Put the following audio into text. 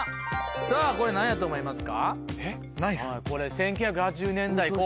さぁこれ何やと思いますか？